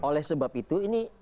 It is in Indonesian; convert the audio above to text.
oleh sebab itu ini